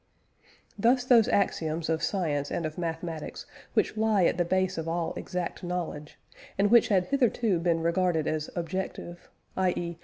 Thus those axioms of science and of mathematics which lie at the base of all exact knowledge, and which had hitherto been regarded as objective, i.e.